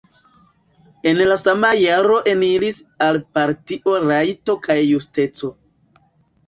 En la sama jaro eniris al partio Rajto kaj Justeco.